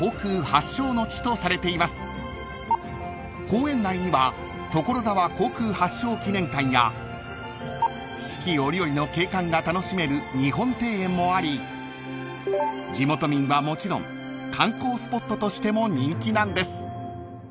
［公園内には所沢航空発祥記念館や四季折々の景観が楽しめる日本庭園もあり地元民はもちろん観光スポットとしても人気なんです］